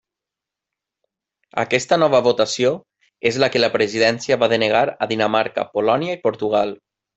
Aquesta nova votació és la que la presidència va denegar a Dinamarca, Polònia i Portugal.